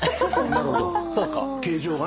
なるほど形状がね。